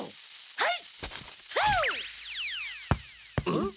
はい。